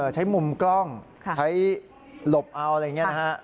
ใช้มุมกล้องใช้ลบเอาอะไรแบบนี้นะครับ